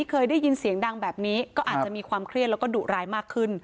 เคยได้ยินเสียงดังแบบนี้ก็อาจจะมีความเครียดแล้วก็ดุร้ายมากขึ้น